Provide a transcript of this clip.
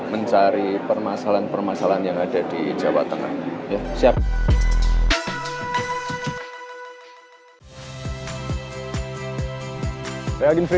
mencari permasalahan permasalahan yang ada di jawa tengah